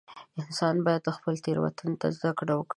• انسان باید د خپلو تېروتنو نه زده کړه وکړي.